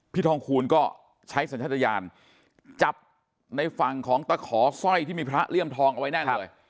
ทองคูณก็ใช้สัญชาติยานจับในฝั่งของตะขอสร้อยที่มีพระเลี่ยมทองเอาไว้แน่นเลย